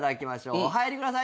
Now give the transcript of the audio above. お入りください